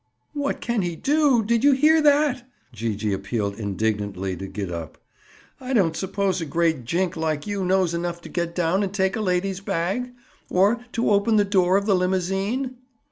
"What can he do? Did you hear that?" Gee gee appealed indignantly to Gid up. "I don't suppose a great jink like you knows enough to get down and take a lady's bag? Or, to open the door of the limousine?"